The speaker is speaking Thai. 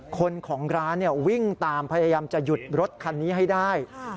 คนของร้านวิ่งตามพยายามจะหยุดรถคันนี้ให้ได้